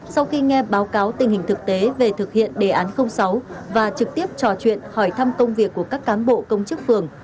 sau khi nghe báo cáo tình hình thực tế về thực hiện đề án sáu và trực tiếp trò chuyện hỏi thăm công việc của các cán bộ công chức phường